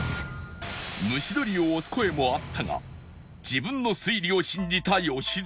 蒸し鶏を推す声もあったが自分の推理を信じた良純